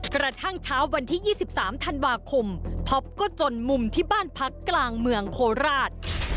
กระทั่งเช้าวันที่๒๓ธันวาคมท็อปก็จนมุมที่บ้านพักกลางเมืองโคราช